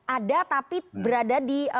ada tapi berada di